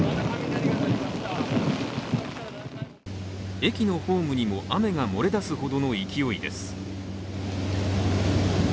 駅のホームにも雨が漏れだすほどの勢いです。